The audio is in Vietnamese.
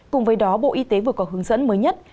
cùng với đó bộ y tế vừa có hướng dẫn mới nhất